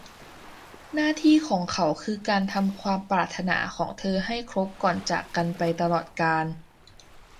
หน้าที่ของเขาคือการทำตามความปรารถนาของเธอให้ครบก่อนจากกันไปตลอดกาล